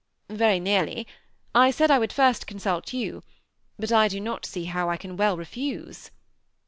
^ Very nearly. I said I would first consult you ; but I do not see how I can well refuse."